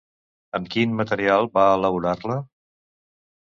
Amb quin material va elaborar-la?